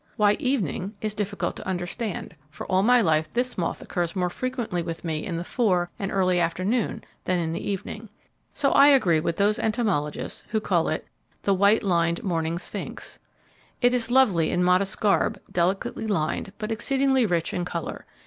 Why 'evening' is difficult to understand, for all my life this moth occurs more frequently with me in the fore and early afternoon than in the evening. So I agree with those entomologists who call it the 'white lined morning sphinx.' It is lovely in modest garb, delicately lined, but exceedingly rich in colour.